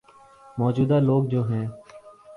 موجود ہ لوگ جو ہیں۔